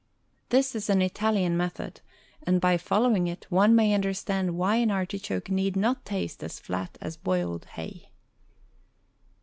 This is an Italian method, and by following it one may understand why an artichoke need not taste as flat as boiled hay.